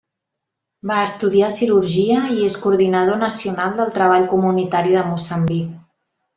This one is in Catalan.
Va estudiar cirurgia i és coordinador nacional del Treball comunitari de Moçambic.